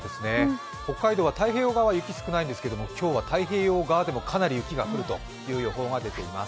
北海道は太平洋側は雪が少ないんですけど、今日は太平洋側でもかなり雪が降るという予報が出ています。